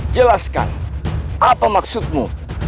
jelaskan apa maksudmu